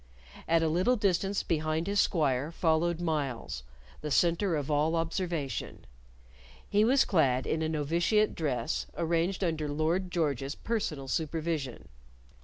At a little distance behind his squire followed Myles, the centre of all observation. He was clad in a novitiate dress, arranged under Lord George's personal supervision.